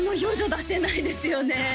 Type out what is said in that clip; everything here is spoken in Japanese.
出せないですよ